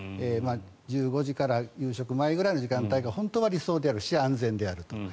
１５時から夕食前くらいの時間帯が本当は理想であるし安全であると。